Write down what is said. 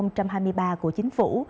và một trong những nội dung của chính phủ